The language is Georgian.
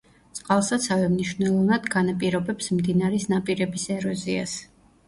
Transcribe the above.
წყალსაცავი მნიშვნელოვნად განაპირობებს მდინარის ნაპირების ეროზიას.